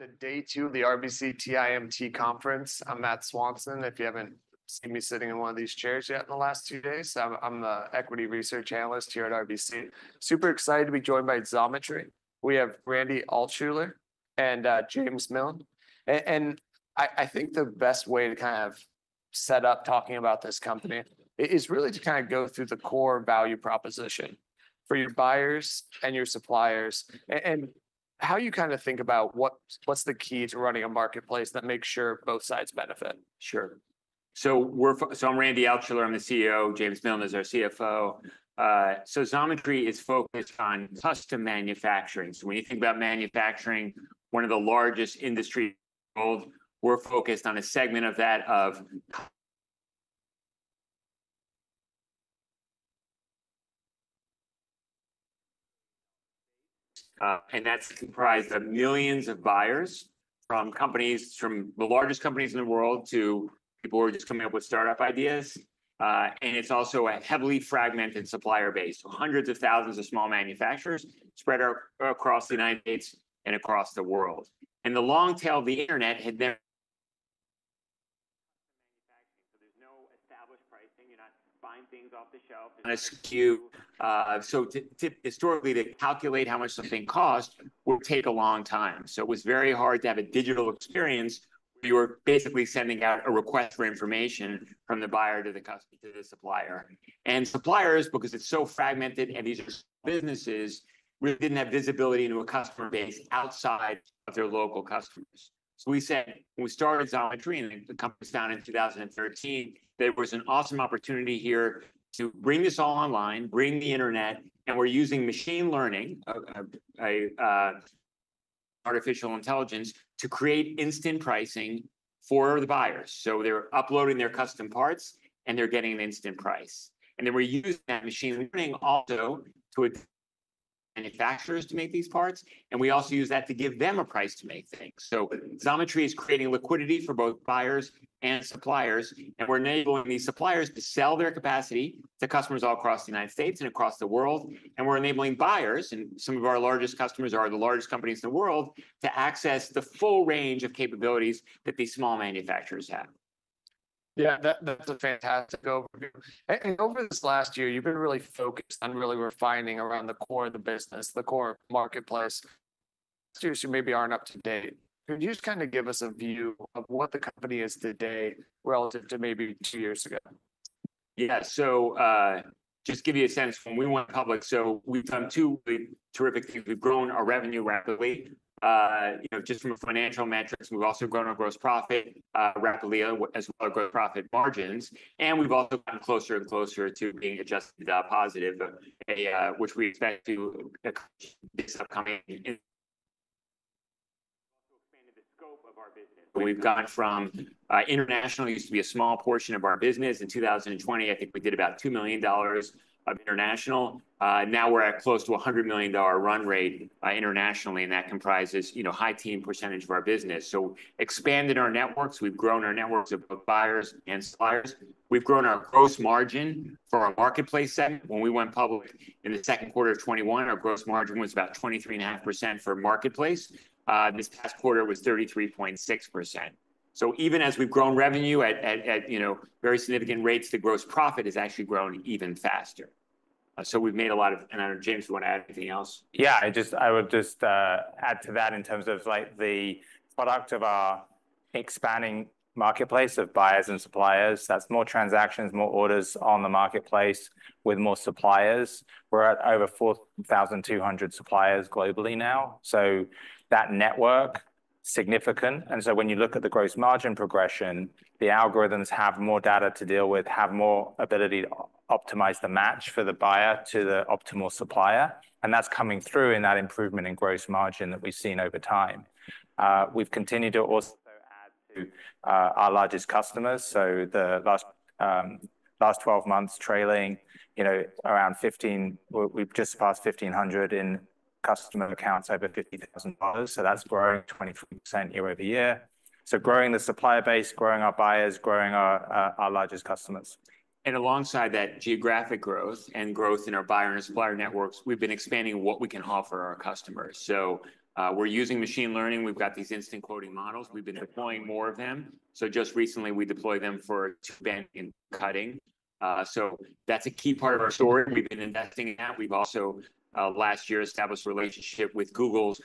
On to day two of the RBC TIMT Conference. I'm Matt Swanson. If you haven't seen me sitting in one of these chairs yet in the last two days, I'm the Equity Research Analyst here at RBC. Super excited to be joined by Xometry. We have Randy Altschuler and James Miln. And I think the best way to kind of set up talking about this company is really to kind of go through the core value proposition for your buyers and your suppliers and how you kind of think about what's the key to running a marketplace that makes sure both sides benefit? Sure. So I'm Randy Altschuler. I'm the CEO. James Miln is our CFO. So Xometry is focused on custom manufacturing. So when you think about manufacturing, one of the largest industries in the world, we're focused on a segment of that. And that's comprised of millions of buyers from companies, from the largest companies in the world to people who are just coming up with startup ideas. And it's also a heavily fragmented supplier base. So hundreds of thousands of small manufacturers spread across the United States and across the world. And the long tail of the internet had never. So there's no established pricing. You're not buying things off the shelf. On a SKU. So historically, to calculate how much something cost would take a long time. So it was very hard to have a digital experience where you were basically sending out a request for information from the buyer to the customer, to the supplier. And suppliers, because it's so fragmented and these are small businesses, really didn't have visibility into a customer base outside of their local customers. So we said, when we started Xometry and the company was founded in 2013, there was an awesome opportunity here to bring this all online, bring the internet, and we're using machine learning, artificial intelligence, to create instant pricing for the buyers. So they're uploading their custom parts and they're getting an instant price. And then we're using that machine learning also to manufacturers to make these parts. And we also use that to give them a price to make things. So Xometry is creating liquidity for both buyers and suppliers. We're enabling these suppliers to sell their capacity to customers all across the United States and across the world. We're enabling buyers, and some of our largest customers are the largest companies in the world, to access the full range of capabilities that these small manufacturers have. Yeah, that's a fantastic overview. And over this last year, you've been really focused on really refining around the core of the business, the core marketplace. Students who maybe aren't up to date, could you just kind of give us a view of what the company is today relative to maybe two years ago? Yeah. So, just to give you a sense, we went public, so we've done two really terrific things. We've grown our revenue rapidly, you know, just from financial metrics. We've also grown our gross profit rapidly, as well as our gross profit margins, and we've also gotten closer and closer to being Adjusted EBITDA positive, which we expect to this upcoming. We've also expanded the scope of our business. We've gone from international, used to be a small portion of our business. In 2020, I think we did about $2 million of international. Now we're at close to $100 million run rate internationally, and that comprises, you know, a high teens percentage of our business, so expanded our networks. We've grown our networks of both buyers and suppliers. We've grown our gross margin for our marketplace segment. When we went public in the second quarter of 2021, our gross margin was about 23.5% for marketplace. This past quarter was 33.6%. So even as we've grown revenue at, you know, very significant rates, the gross profit has actually grown even faster. So we've made a lot of, and I don't know, James, do you want to add anything else? Yeah, I just, I would just add to that in terms of like the product of our expanding marketplace of buyers and suppliers. That's more transactions, more orders on the marketplace with more suppliers. We're at over 4,200 suppliers globally now. So that network is significant. And so when you look at the gross margin progression, the algorithms have more data to deal with, have more ability to optimize the match for the buyer to the optimal supplier. And that's coming through in that improvement in gross margin that we've seen over time. We've continued to also add to our largest customers. So the last 12 months trailing, you know, around 15, we've just surpassed 1,500 in customer accounts over $50,000. So that's growing 24% year-over-year. So growing the supplier base, growing our buyers, growing our largest customers. Alongside that geographic growth and growth in our buyer and supplier networks, we've been expanding what we can offer our customers. We're using machine learning. We've got these instant quoting models. We've been deploying more of them. Just recently, we deployed them for bending and cutting. That's a key part of our story. We've been investing in that. We've also, last year, established a relationship with Google's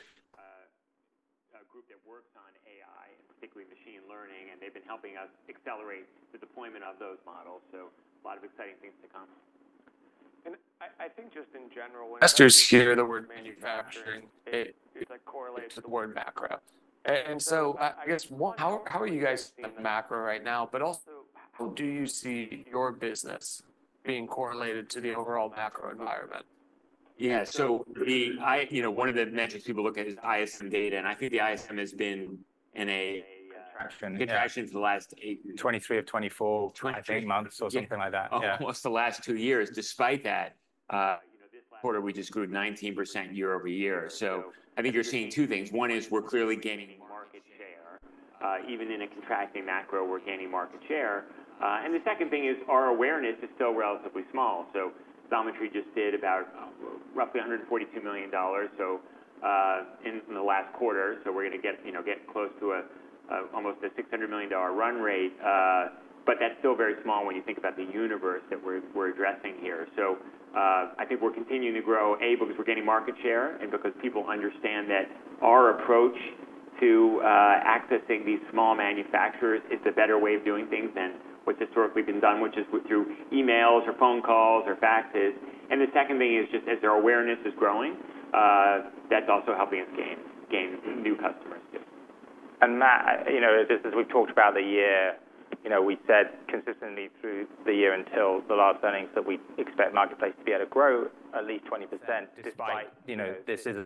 group that works on AI and particularly machine learning. And they've been helping us accelerate the deployment of those models. A lot of exciting things to come. I think just in general, when investors hear the word manufacturing, it correlates with the word macro. So I guess, how are you guys seeing the macro right now? Also, how do you see your business being correlated to the overall macro environment? Yeah. So, you know, one of the metrics people look at is ISM data. And I think the ISM has been in a contraction for the last 23 or 24, I think, months or something like that. Almost the last two years. Despite that, you know, this quarter, we just grew 19% year-over-year. So I think you're seeing two things. One is we're clearly gaining market share. Even in a contracting macro, we're gaining market share. And the second thing is our awareness is still relatively small. So Xometry just did about roughly $142 million, so in the last quarter. So we're going to get, you know, get close to almost a $600 million run rate. But that's still very small when you think about the universe that we're addressing here. So I think we're continuing to grow, A, because we're getting market share and because people understand that our approach to accessing these small manufacturers is a better way of doing things than what's historically been done, which is through emails or phone calls or faxes, and the second thing is just as our awareness is growing, that's also helping us gain new customers too. Matt, you know, just as we've talked about the year, you know, we said consistently through the year until the last earnings that we expect marketplace to be able to grow at least 20% despite, you know, this is a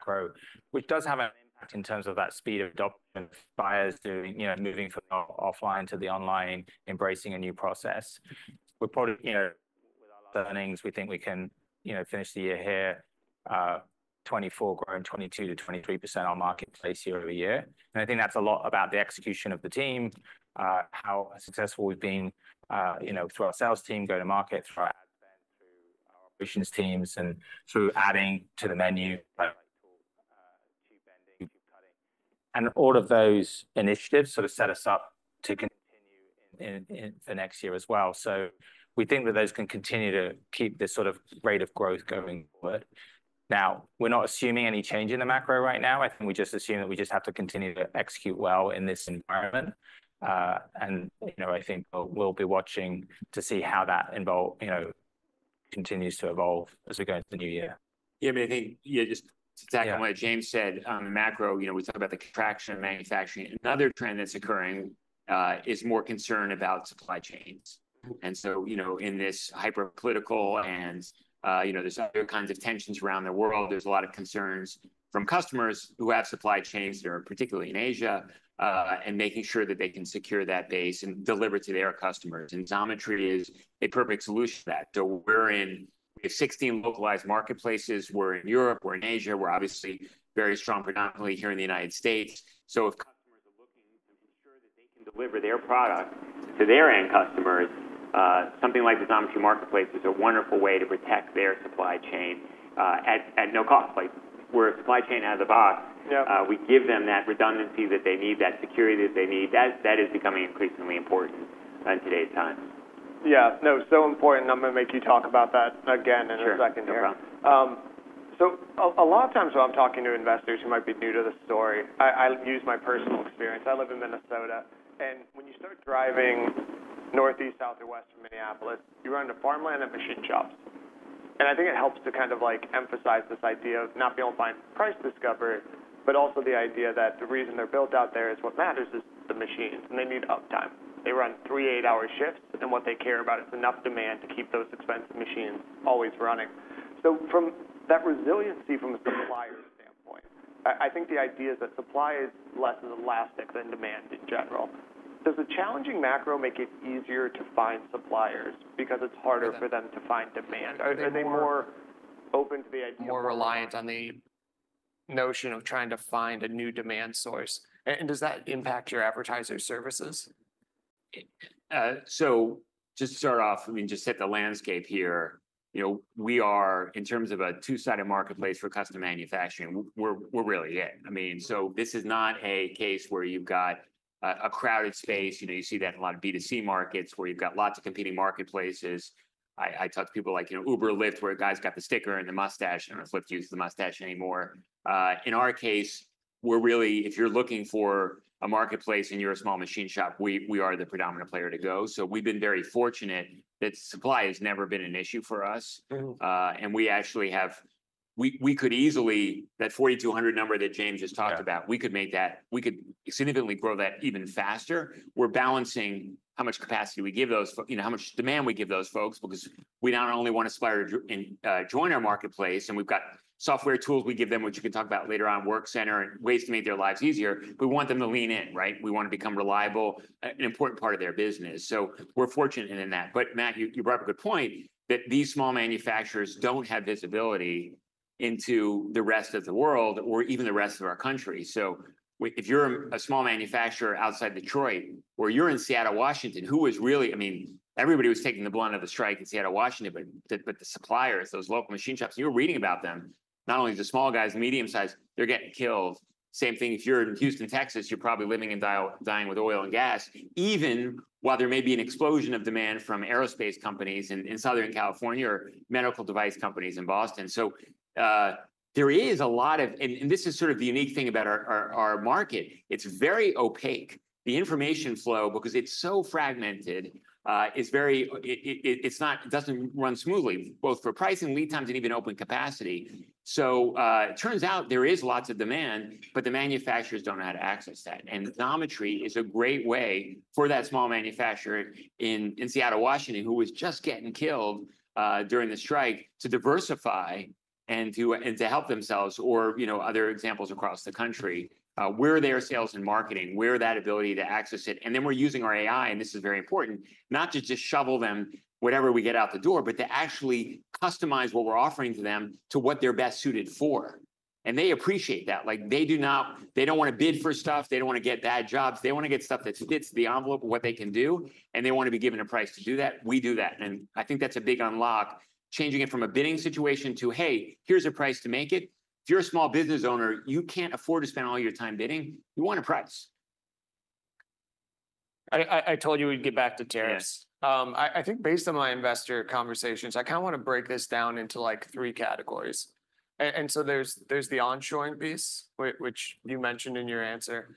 macro, which does have an impact in terms of that speed of adoption of buyers moving from offline to the online, embracing a new process. We're probably, you know, with our last earnings, we think we can, you know, finish the year here, 2024, growing 22%-23% on marketplace year over year. I think that's a lot about the execution of the team, how successful we've been, you know, through our sales team, go to market, through our ad spend, through our operations teams, and through adding to the menu, to bending, to cutting. And all of those initiatives sort of set us up to continue for next year as well. So we think that those can continue to keep this sort of rate of growth going forward. Now, we're not assuming any change in the macro right now. I think we just assume that we just have to continue to execute well in this environment. And, you know, I think we'll be watching to see how that, you know, continues to evolve as we go into the new year. Yeah, I mean, I think, yeah, just to tack on what James said, the macro, you know, we talk about the contraction of manufacturing. Another trend that's occurring is more concern about supply chains. And so, you know, in this hyperpolitical and, you know, there's other kinds of tensions around the world. There's a lot of concerns from customers who have supply chains that are particularly in Asia and making sure that they can secure that base and deliver to their customers. And Xometry is a perfect solution to that. So we're in. We have 16 localized marketplaces. We're in Europe. We're in Asia. We're obviously very strong, predominantly here in the United States. So if customers are looking to ensure that they can deliver their product to their end customers, something like the Xometry Marketplace is a wonderful way to protect their supply chain at no cost. Like where a supply chain has a box, we give them that redundancy that they need, that security that they need. That is becoming increasingly important in today's time. Yeah. No, so important. I'm going to make you talk about that again in a second here. So a lot of times when I'm talking to investors who might be new to the story, I use my personal experience. I live in Minnesota, and when you start driving northeast, south, or west of Minneapolis, you run into farmland and machine shops. And I think it helps to kind of like emphasize this idea of not the online price discovery, but also the idea that the reason they're built out there is what matters is the machines, and they need uptime. They run three eight-hour shifts, and what they care about is enough demand to keep those expensive machines always running, so from that resiliency from a supplier standpoint, I think the idea is that supply is less elastic than demand in general. Does the challenging macro make it easier to find suppliers because it's harder for them to find demand? Are they more open to the idea? More reliant on the notion of trying to find a new demand source, and does that impact your advertiser services? So to start off, I mean, just hit the landscape here. You know, we are, in terms of a two-sided marketplace for custom manufacturing, we're really it. I mean, so this is not a case where you've got a crowded space. You know, you see that in a lot of B2C markets where you've got lots of competing marketplaces. I talk to people like, you know, Uber, Lyft where a guy's got the sticker and the mustache. I don't know if Lyft use the mustache anymore. In our case, we're really, if you're looking for a marketplace and you're a small machine shop, we are the predominant player to go. So we've been very fortunate that supply has never been an issue for us. And we actually have. We could easily that 4,200 number that James just talked about. We could make that. We could significantly grow that even faster. We're balancing how much capacity we give those, you know, how much demand we give those folks because we not only want suppliers to join our marketplace and we've got software tools we give them, which you can talk about later on, Workcenter and ways to make their lives easier. We want them to lean in, right? We want to become a reliable, important part of their business. So we're fortunate in that. But Matt, you brought up a good point that these small manufacturers don't have visibility into the rest of the world or even the rest of our country. So if you're a small manufacturer outside Detroit or you're in Seattle, Washington, who is really, I mean, everybody was taking the blunt of the strike in Seattle, Washington, but the suppliers, those local machine shops, you're reading about them, not only the small guys, medium size, they're getting killed. Same thing if you're in Houston, Texas, you're probably living and dying with oil and gas, even while there may be an explosion of demand from aerospace companies in Southern California or medical device companies in Boston. So there is a lot of, and this is sort of the unique thing about our market. It's very opaque. The information flow, because it's so fragmented, is very, it's not, it doesn't run smoothly, both for pricing, lead times, and even open capacity. So it turns out there is lots of demand, but the manufacturers don't know how to access that. Xometry is a great way for that small manufacturer in Seattle, Washington, who was just getting killed during the strike to diversify and to help themselves or, you know, other examples across the country, where their sales and marketing, where that ability to access it. Then we're using our AI, and this is very important, not to just shovel them whatever we get out the door, but to actually customize what we're offering to them to what they're best suited for. They appreciate that. Like they do not, they don't want to bid for stuff. They don't want to get bad jobs. They want to get stuff that fits the envelope of what they can do. They want to be given a price to do that. We do that. And I think that's a big unlock, changing it from a bidding situation to, hey, here's a price to make it. If you're a small business owner, you can't afford to spend all your time bidding. You want a price. I told you we'd get back to tariffs. I think based on my investor conversations, I kind of want to break this down into like three categories. And so there's the onshoring piece, which you mentioned in your answer.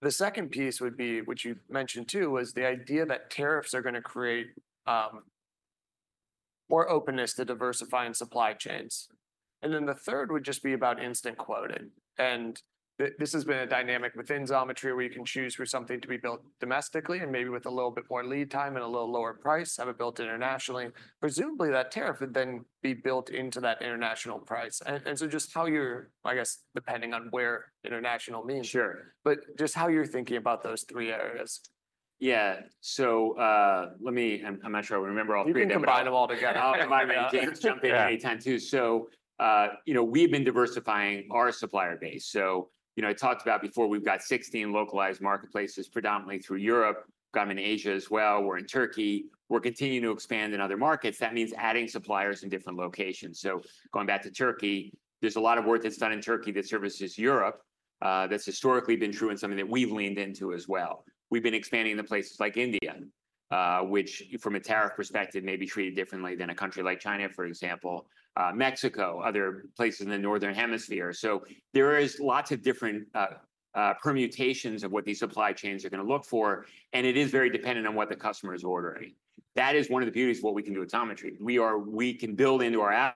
The second piece would be, which you mentioned too, was the idea that tariffs are going to create more openness to diversifying supply chains. And then the third would just be about instant quoting. And this has been a dynamic within Xometry where you can choose for something to be built domestically and maybe with a little bit more lead time and a little lower price, have it built internationally. Presumably that tariff would then be built into that international price. And so just how you're, I guess, depending on where international means. But just how you're thinking about those three areas. Yeah. So let me, I'm not sure I remember all three of them. You can combine them all together. I'll remind our James to jump in anytime too. So, you know, we've been diversifying our supplier base. So, you know, I talked about before we've got 16 localized marketplaces predominantly throughout Europe. We've got them in Asia as well. We're in Turkey. We're continuing to expand in other markets. That means adding suppliers in different locations. So going back to Turkey, there's a lot of work that's done in Turkey that services Europe. That's historically been true and something that we've leaned into as well. We've been expanding in places like India, which from a tariff perspective may be treated differently than a country like China, for example, Mexico, other places in the Northern Hemisphere. So there are lots of different permutations of what these supply chains are going to look like, and it is very dependent on what the customer is ordering. That is one of the beauties of what we can do with Xometry. We can build into our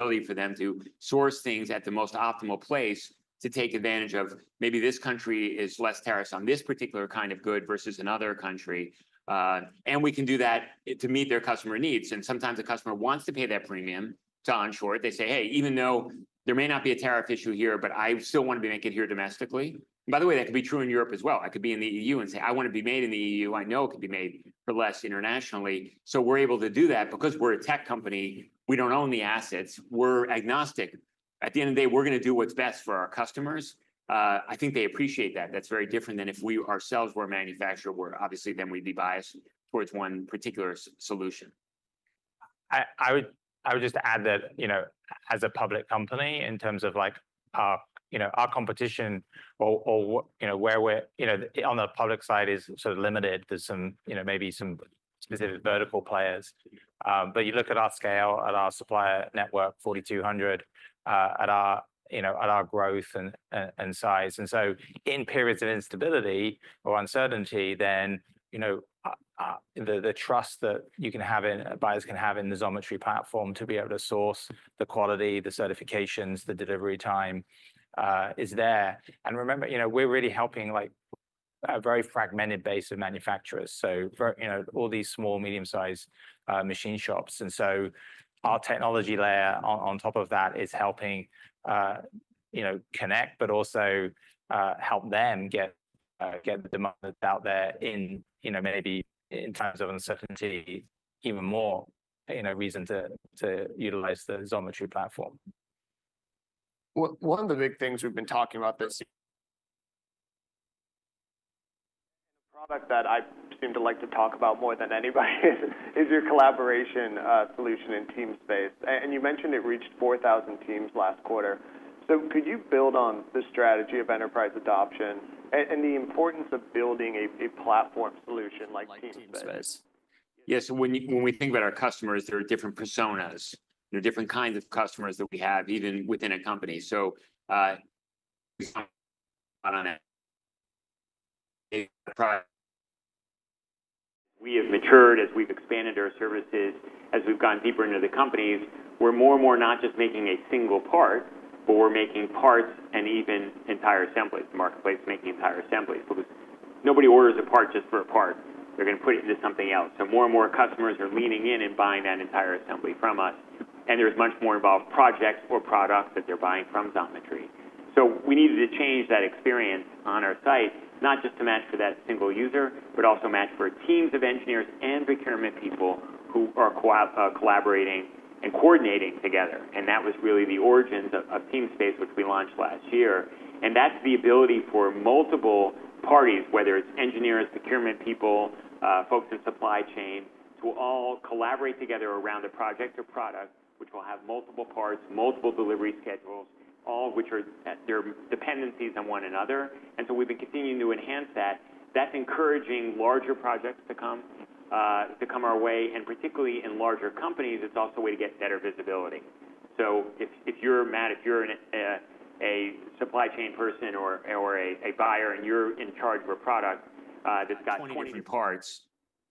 ability for them to source things at the most optimal place to take advantage of maybe this country is less tariffs on this particular kind of good versus another country. And we can do that to meet their customer needs. And sometimes a customer wants to pay that premium to onshore it. They say, hey, even though there may not be a tariff issue here, but I still want to be making it here domestically. By the way, that could be true in Europe as well. I could be in the EU and say, I want to be made in the EU. I know it could be made for less internationally. So we're able to do that because we're a tech company. We don't own the assets. We're agnostic. At the end of the day, we're going to do what's best for our customers. I think they appreciate that. That's very different than if we ourselves were a manufacturer. Obviously, then we'd be biased towards one particular solution. I would just add that, you know, as a public company in terms of like, you know, our competition or, you know, where we're, you know, on the public side is sort of limited. There's some, you know, maybe some specific vertical players. But you look at our scale, at our supplier network, 4,200, at our, you know, at our growth and size. And so in periods of instability or uncertainty, then, you know, the trust that you can have in, buyers can have in the Xometry platform to be able to source the quality, the certifications, the delivery time is there. And remember, you know, we're really helping like a very fragmented base of manufacturers. So, you know, all these small, medium-sized machine shops. And so our technology layer on top of that is helping, you know, connect, but also help them get the demand out there in, you know, maybe in times of uncertainty, even more, you know, reason to utilize the Xometry platform. One of the big things we've been talking about this year. And a product that I seem to like to talk about more than anybody is your collaboration solution in Teamspace. And you mentioned it reached 4,000 teams last quarter. So could you build on the strategy of enterprise adoption and the importance of building a platform solution like Teamspace? Yes. When we think about our customers, there are different personas. There are different kinds of customers that we have even within a company. So we have matured as we've expanded our services, as we've gone deeper into the companies. We're more and more not just making a single part, but we're making parts and even entire assemblies, the marketplace making entire assemblies. Because nobody orders a part just for a part. They're going to put it into something else. So more and more customers are leaning in and buying that entire assembly from us. And there's much more involved projects or products that they're buying from Xometry. So we needed to change that experience on our site, not just to match for that single user, but also match for teams of engineers and procurement people who are collaborating and coordinating together. And that was really the origins of Teamspace, which we launched last year. And that's the ability for multiple parties, whether it's engineers, procurement people, folks in supply chain, to all collaborate together around a project or product, which will have multiple parts, multiple delivery schedules, all of which are their dependencies on one another. And so we've been continuing to enhance that. That's encouraging larger projects to come our way. And particularly in larger companies, it's also a way to get better visibility. So if you're Matt, if you're a supply chain person or a buyer and you're in charge of a product that's got 20 different parts,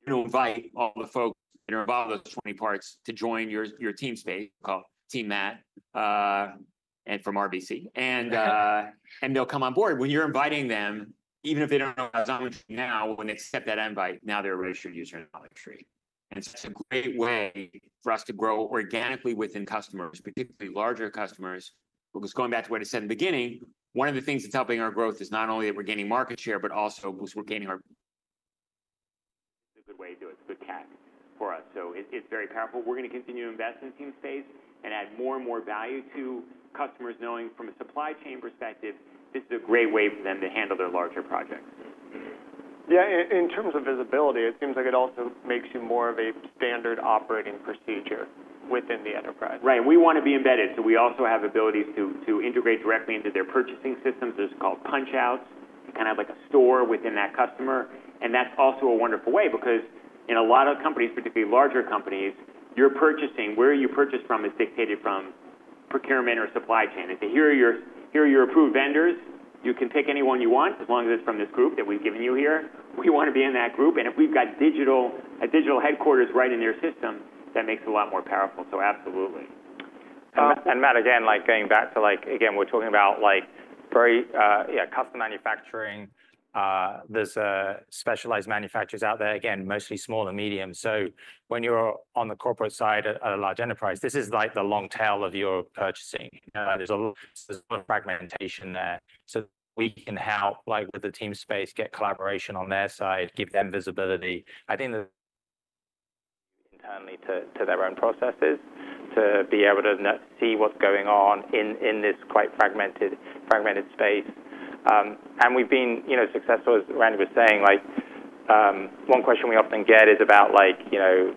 you're going to invite all the folks that are involved in those 20 parts to join your Teamspace called Team Matt and from RBC. And they'll come on board. When you're inviting them, even if they don't know Xometry now, when they accept that invite, now they're a registered user in Xometry. And it's a great way for us to grow organically within customers, particularly larger customers. Because going back to what I said in the beginning, one of the things that's helping our growth is not only that we're gaining market share, but also we're gaining our. It's a good way to do it. It's a good tactic for us. So it's very powerful. We're going to continue to invest in Teamspace and add more and more value to customers knowing from a supply chain perspective, this is a great way for them to handle their larger projects. Yeah. In terms of visibility, it seems like it also makes you more of a standard operating procedure within the enterprise. Right. We want to be embedded. So we also have abilities to integrate directly into their purchasing systems. They're called PunchOuts, kind of like a store within that customer. And that's also a wonderful way because in a lot of companies, particularly larger companies, you're purchasing, where you purchase from is dictated from procurement or supply chain. If we're your approved vendors, you can pick anyone you want as long as it's from this group that we've given you here. We want to be in that group. And if we've got digital headquarters right in their system, that makes it a lot more powerful. So absolutely. Matt, again, like going back to like, again, we're talking about like very custom manufacturing. There's specialized manufacturers out there, again, mostly small and medium. So when you're on the corporate side at a large enterprise, this is like the long tail of your purchasing. There's a lot of fragmentation there. So we can help like with the Teamspace, get collaboration on their side, give them visibility. I think internally to their own processes to be able to see what's going on in this quite fragmented space. We've been successful, as Randy was saying. Like one question we often get is about like, you know,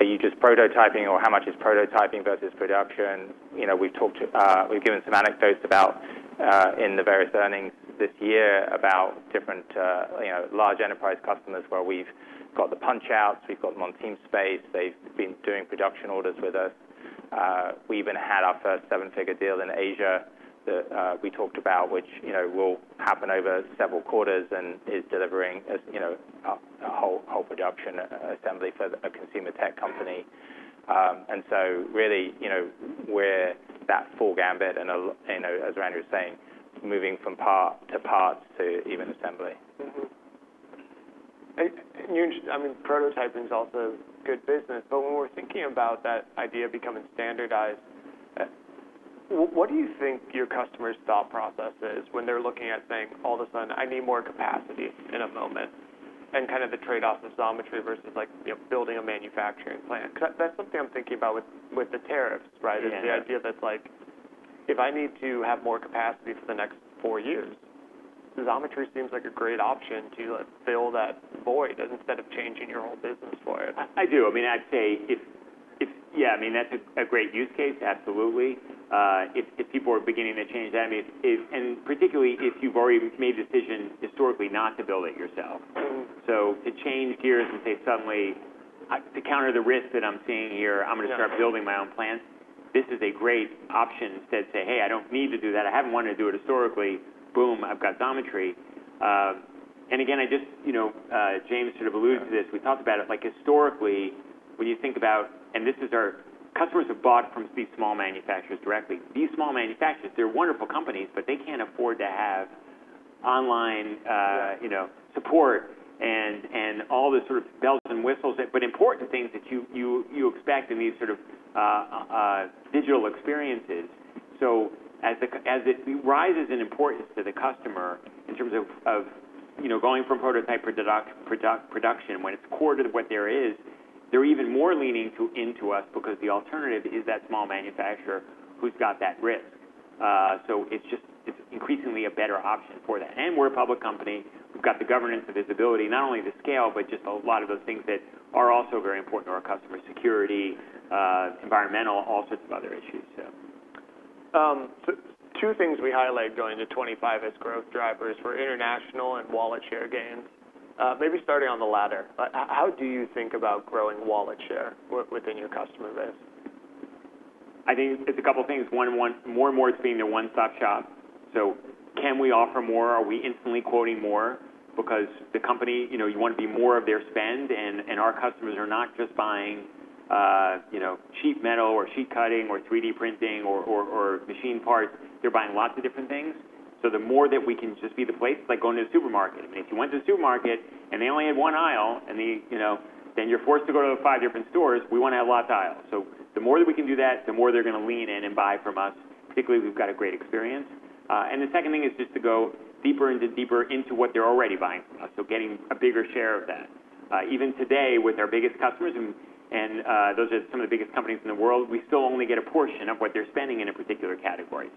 are you just prototyping or how much is prototyping versus production? You know, we've talked to, we've given some anecdotes about in the various learnings this year about different large enterprise customers where we've got the PunchOuts, we've got them on Teamspace, they've been doing production orders with us. We even had our first seven-figure deal in Asia that we talked about, which, you know, will happen over several quarters and is delivering, you know, a whole production assembly for a consumer tech company. And so really, you know, we're that full gamut and, you know, as Randy was saying, moving from part to part to even assembly. I mean, prototyping is also good business, but when we're thinking about that idea of becoming standardized, what do you think your customer's thought process is when they're looking at saying, all of a sudden, I need more capacity in a moment and kind of the trade-off of Xometry versus like building a manufacturing plant? Because that's something I'm thinking about with the tariffs, right? It's the idea that's like, if I need to have more capacity for the next four years, Xometry seems like a great option to fill that void instead of changing your whole business for it. I do. I mean, I'd say if, yeah, I mean, that's a great use case. Absolutely. If people are beginning to change that, I mean, and particularly if you've already made the decision historically not to build it yourself. So to change gears and say suddenly to counter the risk that I'm seeing here, I'm going to start building my own plants, this is a great option instead to say, hey, I don't need to do that. I haven't wanted to do it historically. Boom, I've got Xometry. And again, I just, you know, James sort of alluded to this. We talked about it. Like historically, when you think about, and this is our customers have bought from these small manufacturers directly. These small manufacturers, they're wonderful companies, but they can't afford to have online, you know, support and all the sort of bells and whistles, but important things that you expect in these sort of digital experiences. So as it rises in importance to the customer in terms of, you know, going from prototype to production, when it's core to what there is, they're even more leaning into us because the alternative is that small manufacturer who's got that risk. So it's just, it's increasingly a better option for that, and we're a public company. We've got the governance and visibility, not only the scale, but just a lot of those things that are also very important to our customers, security, environmental, all sorts of other issues. So two things we highlight going to 2025 as growth drivers for international and wallet share gains. Maybe starting on the latter, how do you think about growing wallet share within your customer base? I think it's a couple of things. One, more and more it's being their one-stop shop, so can we offer more? Are we instantly quoting more? Because the company, you know, you want to be more of their spend, and our customers are not just buying, you know, sheet metal or sheet cutting or 3D printing or machine parts. They're buying lots of different things, so the more that we can just be the place, like going to the supermarket. I mean, if you went to the supermarket and they only had one aisle, you know, then you're forced to go to five different stores, we want to have lots of aisles. So the more that we can do that, the more they're going to lean in and buy from us, particularly if we've got a great experience. The second thing is just to go deeper into what they're already buying from us, getting a bigger share of that. Even today with our biggest customers, and those are some of the biggest companies in the world, we still only get a portion of what they're spending in a particular category,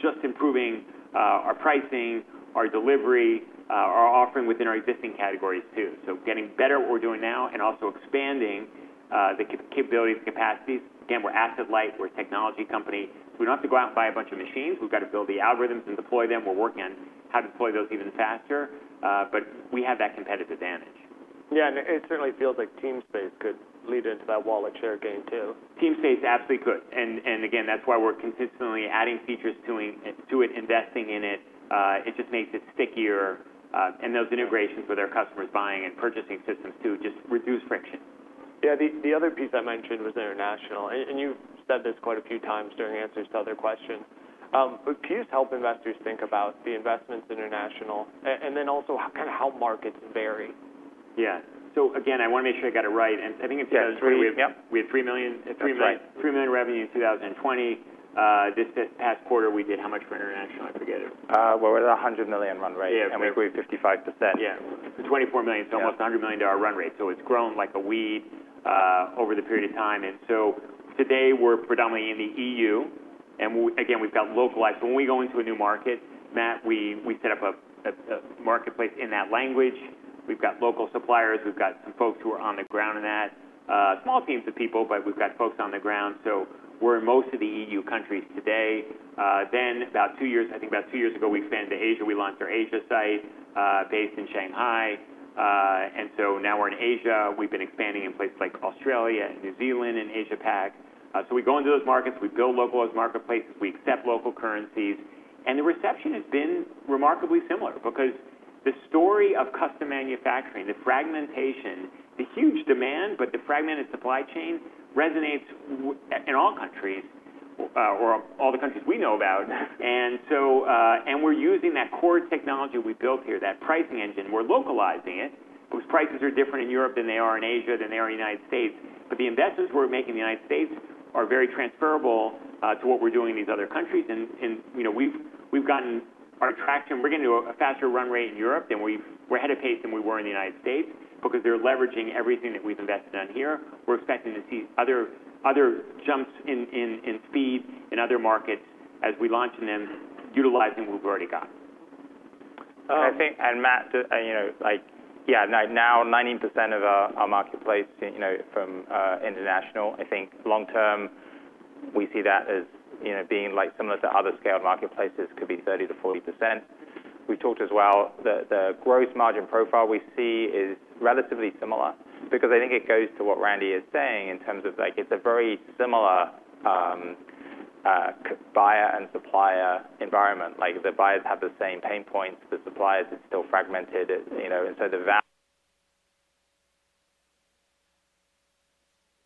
just improving our pricing, our delivery, our offering within our existing categories too, getting better at what we're doing now and also expanding the capabilities and capacities. Again, we're asset light. We're a technology company, so we don't have to go out and buy a bunch of machines. We've got to build the algorithms and deploy them. We're working on how to deploy those even faster, but we have that competitive advantage. Yeah, and it certainly feels like Teamspace could lead into that wallet share gain too. Teamspace absolutely could. And again, that's why we're consistently adding features to it, investing in it. It just makes it stickier. And those integrations with our customers buying and purchasing systems too just reduce friction. Yeah. The other piece I mentioned was international. And you've said this quite a few times during answers to other questions. But can you help investors think about the investments international and then also kind of how markets vary? Yeah. So again, I want to make sure I got it right, and I think in 2020 we had three million. That's right. $3 million revenue in 2020. This past quarter we did how much for international? I forget it. We're at $100 million run rate. We've 55%. Yeah. $24 million. So almost $100 million run rate. So it's grown like a weed over the period of time. Today we're predominantly in the EU. Again, we've got localized. When we go into a new market, Matt, we set up a marketplace in that language. We've got local suppliers. We've got some folks who are on the ground in that. Small teams of people, but we've got folks on the ground. We're in most of the EU countries today. Then about two years, I think about two years ago, we expanded to Asia. We launched our Asia site based in Shanghai. Now we're in Asia. We've been expanding in places like Australia and New Zealand and Asia-Pacific. We go into those markets. We build localized marketplaces. We accept local currencies. And the reception has been remarkably similar because the story of custom manufacturing, the fragmentation, the huge demand, but the fragmented supply chain resonates in all countries or all the countries we know about. And so we're using that core technology we built here, that pricing engine. We're localizing it because prices are different in Europe than they are in Asia, than they are in the United States. But the investments we're making in the United States are very transferable to what we're doing in these other countries. And you know, we've gotten our traction. We're getting to a faster run rate in Europe. And we're ahead of pace than we were in the United States because they're leveraging everything that we've invested in here. We're expecting to see other jumps in speed in other markets as we launch and then utilize what we've already got. Matt, you know, like yeah, now 90% of our marketplace, you know, from international, I think long term we see that as, you know, being like similar to other scaled marketplaces could be 30%-40%. We've talked as well that the gross margin profile we see is relatively similar because I think it goes to what Randy is saying in terms of like it's a very similar buyer and supplier environment. Like the buyers have the same pain points. The suppliers are still fragmented, you know. And so the.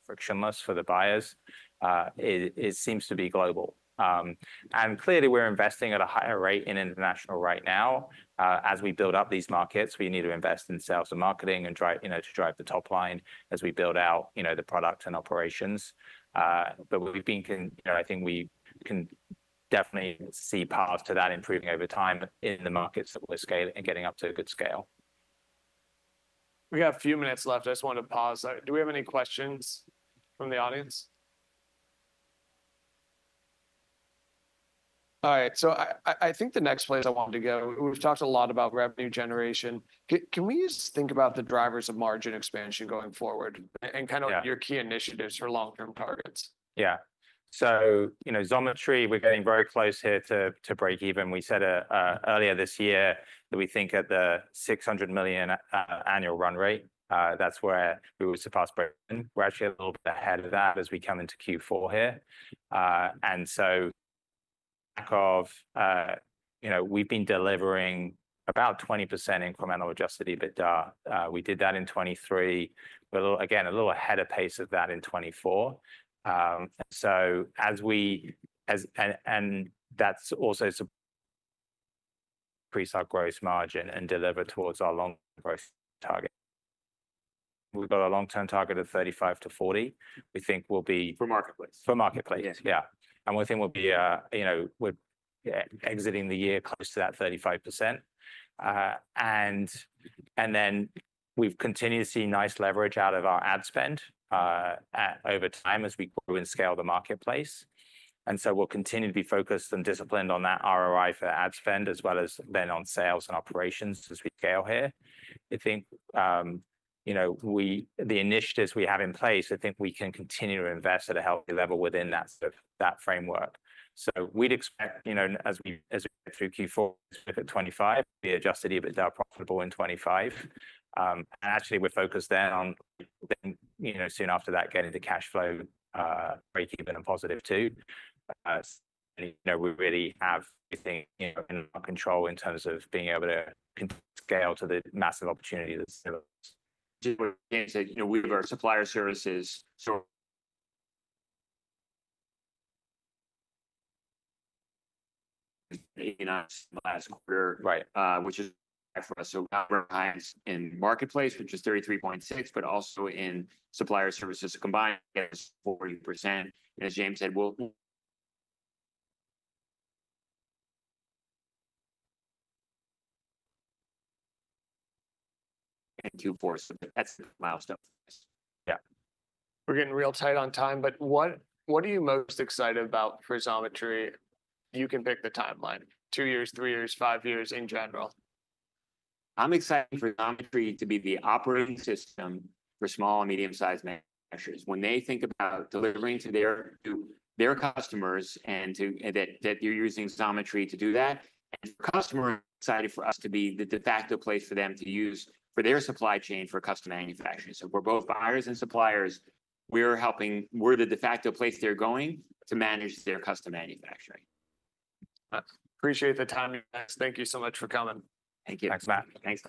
Frictionless for the buyers. It seems to be global, and clearly we're investing at a higher rate in international right now. As we build up these markets, we need to invest in sales and marketing and try to drive the top line as we build out, you know, the product and operations, but we've been, you know, I think we can definitely see paths to that improving over time in the markets that we're scaling and getting up to a good scale. We got a few minutes left. I just wanted to pause. Do we have any questions from the audience? All right. So I think the next place I wanted to go, we've talked a lot about revenue generation. Can we just think about the drivers of margin expansion going forward and kind of your key initiatives for long-term targets? Yeah. So, you know, Xometry, we're getting very close here to break even. We said earlier this year that we think at the $600 million annual run rate, that's where we will surpass breakeven. We're actually a little bit ahead of that as we come into Q4 here. And so back of, you know, we've been delivering about 20% incremental adjusted EBITDA. We did that in 2023, but again, a little ahead of pace of that in 2024. And so as we, and that's also to increase our gross margin and deliver towards our long-term growth target. We've got a long-term target of 35%-40%. We think we'll be. For marketplace. For marketplace. Yeah, and we think we'll be, you know, we're exiting the year close to that 35%, and then we've continued to see nice leverage out of our ad spend over time as we grow and scale the marketplace, and so we'll continue to be focused and disciplined on that ROI for ad spend as well as then on sales and operations as we scale here. I think, you know, the initiatives we have in place. I think we can continue to invest at a healthy level within that framework, so we'd expect, you know, as we get through Q4, we'll be at 25%. We're Adjusted EBITDA profitable in 2025. And actually we're focused then on, you know, soon after that getting the cash flow break even and positive too. And you know, we really have everything, you know, in our control in terms of being able to scale to the massive opportunity that's still. You know, we grew our supplier services gross margin in the last quarter, which is huge for us. So we're at our highest in marketplace, which is 33.6%, but also in supplier services combined is 40%. And as James said, we'll hit that in Q4. So that's the milestone. Yeah. We're getting real tight on time, but what are you most excited about for Xometry? You can pick the timeline. Two years, three years, five years in general. I'm excited for Xometry to be the operating system for small and medium-sized manufacturers when they think about delivering to their customers and that you're using Xometry to do that, and for customers, I'm excited for us to be the de facto place for them to use for their supply chain for custom manufacturing, so for both buyers and suppliers, we're helping, we're the de facto place they're going to manage their custom manufacturing. Appreciate the time, guys. Thank you so much for coming. Thank you. Thanks, Matt. Thank you.